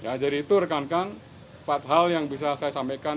ya jadi itu rekan rekan empat hal yang bisa saya sampaikan